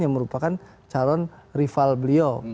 yang merupakan calon rival beliau